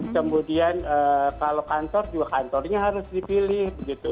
kemudian kalau kantor juga kantornya harus dipilih begitu